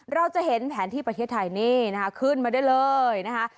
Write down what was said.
เราจะเห็นแผนที่ประเทศไทยนี่นะคะขึ้นมาได้เลยนะคะ